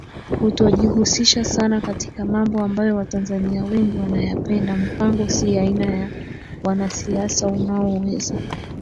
kutojihusisha sana katika mambo ambayo Watanzania wengi wanayapenda Mpango si aina ya wanasiasa unaoweza